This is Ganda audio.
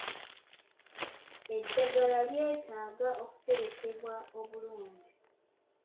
Eddagala lyeetaaga okuterekebwa obulungi.